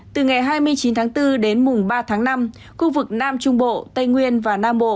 từ ngày hai mươi chín tháng bốn đến mùng ba tháng năm khu vực nam trung bộ tây nguyên và nam bộ